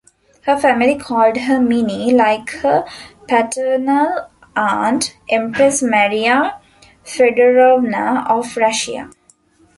Her family called her "Minnie", like her paternal aunt, Empress Maria Feodorovna of Russia.